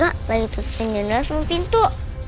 warga lagi tutupin jendela pintu